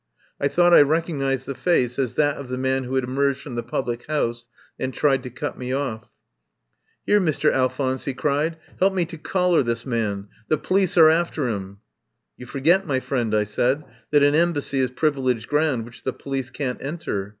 I thought I recognised the face as that of the man who had emerged from the public house and tried to cut me off. " 'Ere, Mister Alphonse," he cried, " 'elp me to collar this man. The police are after 'im." "You forget, my friend," I said, "that an Embassy is privileged ground which the po lice can't enter.